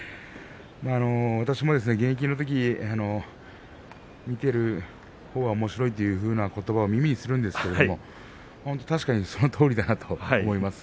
私もですね、現役のときに見ているほうはおもしろいということを耳にするんですが本当に確かにそのとおりだなと思います。